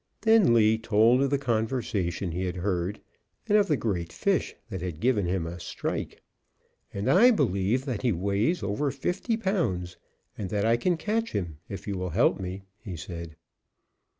Then Lee told of the conversation he had heard, and of the great fish that had given him a strike. "And I believe that he weighs over fifty pounds, and that I can catch him if you will help me," he said.